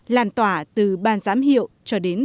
làn tỏa từ ban giám hiệu cho đến